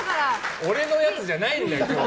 俺のやつじゃないんだよ、今日。